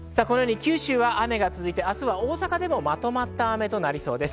九州は雨が続いて明日は大阪でもまとまった雨となりそうです。